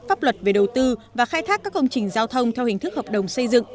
pháp luật về đầu tư và khai thác các công trình giao thông theo hình thức hợp đồng xây dựng